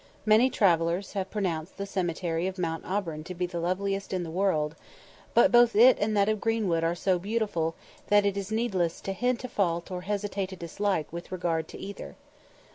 Many travellers have pronounced the cemetery of Mount Auburn to be the loveliest in the world; but both it and that of Greenwood are so beautiful, that it is needless to "hint a fault or hesitate a dislike" with regard to either.